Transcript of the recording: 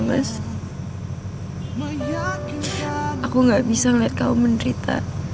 mas aku gak bisa melihat kau menderita